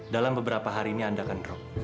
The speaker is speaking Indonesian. dalam beberapa hari ini anda akan drop